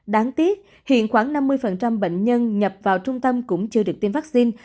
đáng tiếc hiện khoảng năm mươi bệnh nhân nhập vào trung tâm cũng chưa được tiêm vaccine